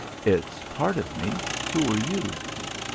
"It's part of me.... Who are you?"